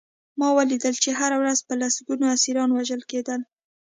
ما ولیدل چې هره ورځ به لسګونه اسیران وژل کېدل